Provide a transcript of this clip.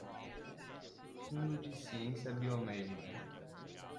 Fundo de ciência biomédica